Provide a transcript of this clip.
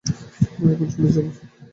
আমরা এখন চলে যাব।